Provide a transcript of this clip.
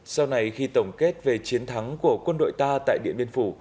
sau này khi tổng kết về chiến thắng của quân đội ta tại điện biên phủ